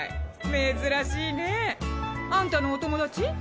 珍しいね。あんたのお友達？